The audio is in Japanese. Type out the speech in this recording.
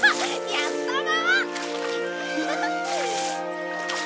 やったな！